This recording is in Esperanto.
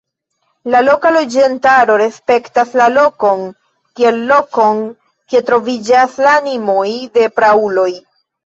La loka loĝantaro respektas la lokon kiel lokon, kie troviĝas la animoj de prauloj.